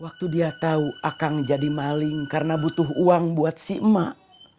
waktu dia tahu akang jadi maling karena butuh uang buat si emak